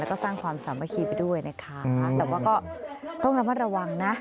แล้วก็สร้างความสามัคคีไปด้วยนะคะแต่ว่าก็ต้องระมัดระวังนะ